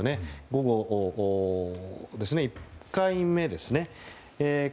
午後の１回目ですね。